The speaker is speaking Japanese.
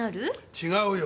違うよ！